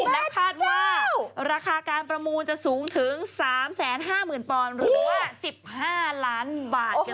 และคาดว่าราคาการประมูลจะสูงถึง๓๕๐๐๐๐พรหรือว่า๑๕ล้านบาทเงินในทีเดียว